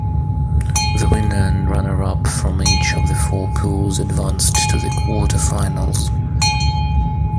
The winner and runner-up from each of the four pools advanced to the quarter-finals.